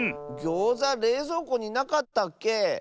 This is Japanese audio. ギョーザれいぞうこになかったっけ？